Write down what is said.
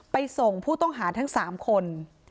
ส่งผู้ต้องหาทั้ง๓คน